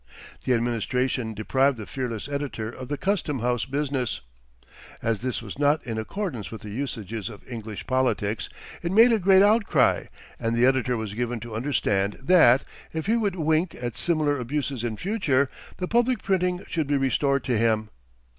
The administration deprived the fearless editor of the custom house business. As this was not in accordance with the usages of English politics, it made a great outcry, and the editor was given to understand that, if he would wink at similar abuses in future, the public printing should be restored to him.